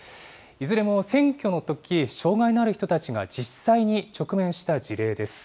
いずれも選挙のとき、障害のある人たちが実際に直面した事例です。